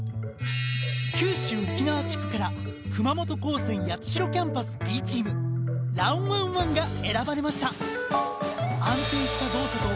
九州沖縄地区から熊本高専八代キャンパスＢチーム「ＲＵＮＯＮＥわん！」が選ばれました。